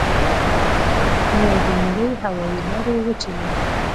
نو د مرۍ هوائي لارې وچې وي